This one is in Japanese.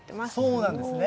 そうなんですね。